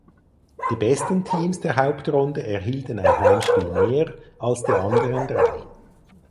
Die drei besten Teams der Hauptrunde erhielten ein Heimspiel mehr als die anderen drei.